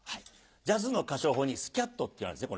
ジャズの歌唱法にスキャットっていうのがあるんですね。